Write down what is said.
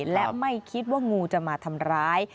และไม่คิดว่างูจะมาทำร้าย